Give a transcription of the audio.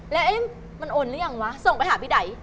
แล้วมันโอนหรือยังวะส่งไปหาพี่ได